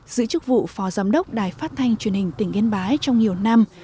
giữ chức vụ phó giám đốc đài phát thanh truyền hình tỉnh yên bái trong nhiều năm